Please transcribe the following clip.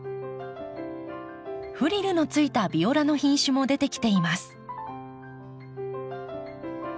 フリルのついたビオラの品種も出てきています。